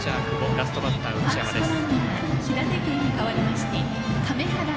ラストバッターは内山です。